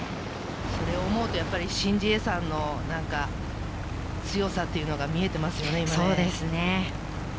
それを思うと、シン・ジエさんの強さは見えていますよね、今ね。